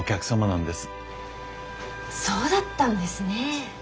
そうだったんですね。